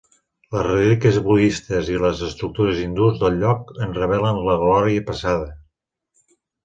Les relíquies budistes i les estructures hindús del lloc en revelen la glòria passada.